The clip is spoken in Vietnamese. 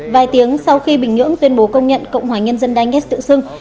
vài tiếng sau khi bình nhưỡng tuyên bố công nhận cộng hòa nhân dân đai nghét tự xưng